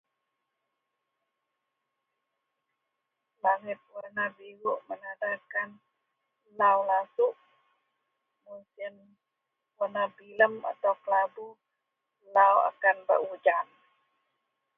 langit warna biruk mengatakan lau lasuk, mun sien warna bilem atau kelabu lau akan bak ujan